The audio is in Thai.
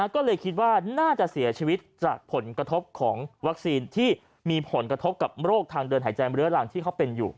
ก็เลยคิดว่าน่าจะเสียชีวิตจากผลกระทบของวัคซีนที่มีผลกระทบกับโรคทางเดินหายใจเรื้อรังที่เขาเป็นอยู่